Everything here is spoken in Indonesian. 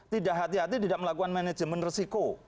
tidak hati hati tidak melakukan manajemen resiko